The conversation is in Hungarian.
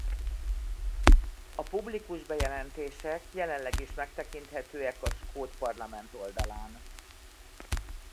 A publikus bejelentések jelenleg is megtekinthetőek a skót parlament oldalán.